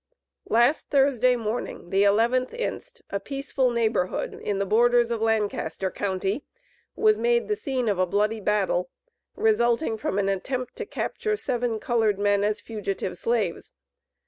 "Last Thursday morning, (the 11th inst,), a peaceful neighborhood in the borders of Lancaster county, was made the scene of a bloody battle, resulting from an attempt to capture seven colored men as fugitive slaves.